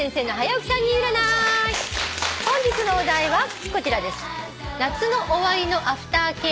本日のお題はこちらです。